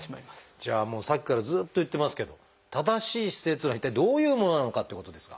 じゃあもうさっきからずっと言ってますけど正しい姿勢っていうのは一体どういうものなのかってことですが。